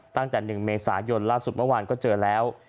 ตั้งแต่๑เมษายนล่าสุดเมื่อวานก็เจอแล้ว